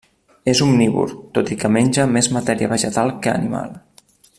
És omnívor, tot i que menja més matèria vegetal que animal.